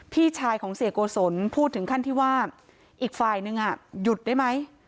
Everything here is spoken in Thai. พี่ชายของเสียโกศลพูดถึงขั้นที่ว่าอีกฝ่ายนึงหยุดได้ไหม